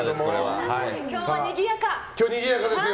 今日もにぎやか！